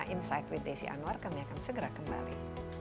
insight with desi anwar kami akan segera kembali